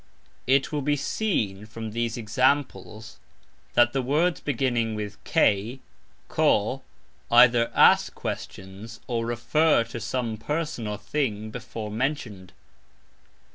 It will be seen from these examples that the words beginning with "K" either "ask questions" or "refer" to some person or thing before mentioned.